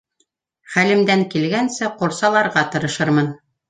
Хәлемдән килгәнсе ҡурсаларға тырышырмын.